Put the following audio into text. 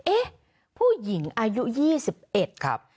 เอ๊ะผู้หญิงอายุ๒๑ครับ